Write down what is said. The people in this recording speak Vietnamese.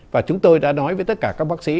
và chúng tôi đã nói với tất cả các bác sĩ